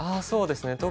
そうですね。